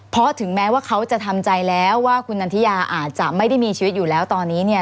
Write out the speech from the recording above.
เพราะถึงแม้ว่าเขาจะทำใจแล้วว่าคุณนันทิยาอาจจะไม่ได้มีชีวิตอยู่แล้วตอนนี้เนี่ย